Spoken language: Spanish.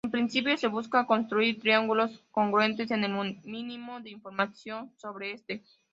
En principio se busca construir triángulos congruentes con el mínimo de información sobre este.